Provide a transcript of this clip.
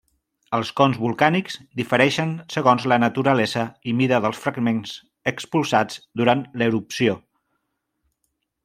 Els cons volcànics difereixen segons la naturalesa i mida dels fragments expulsats durant l'erupció.